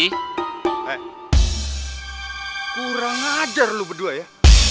eh kurang ajar lu berdua ya